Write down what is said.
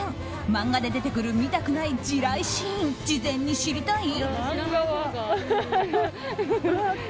漫画で出てくる見たくない地雷シーン事前に知りたい？